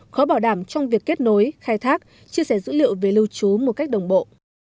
khó bảo đảm trong việc kết nối khai thác chia sẻ dữ liệu về lưu trú một cách đồng bộ